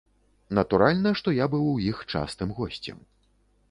Натуральна, што я быў у іх частым госцем.